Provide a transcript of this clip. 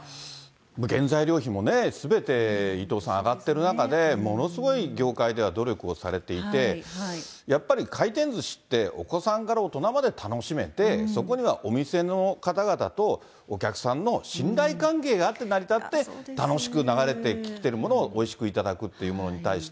原材料費もね、すべて伊藤さん、上がっている中で、ものすごい業界では努力をされていて、やっぱり回転ずしって、お子さんから大人まで楽しめて、そこにはお店の方々とお客さんの信頼関係があって成り立って、楽しく流れてきてるものをおいしく頂くというものに対して、